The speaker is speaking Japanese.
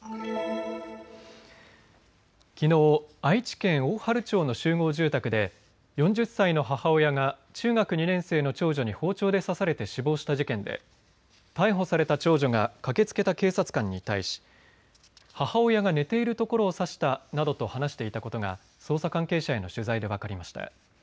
きのう愛知県大治町の集合住宅で４０歳の母親が中学２年生の長女に包丁で刺されて死亡した事件で逮捕された長女が駆けつけた警察官に対し母親が寝ているところを刺したなどと話していたことが捜査関係者への取材で分かりました。